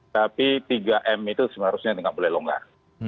tapi tiga m itu seharusnya tidak boleh longgar